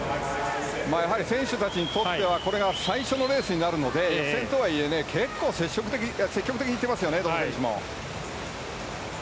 選手たちにとってはこれが最初のレースなので予選とはいえ、結構積極的にいってますね、どの選手も。